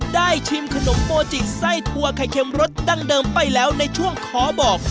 ชิมขนมโมจิไส้ถั่วไข่เค็มรสดั้งเดิมไปแล้วในช่วงขอบอก